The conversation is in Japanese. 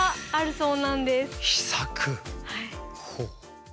ほう。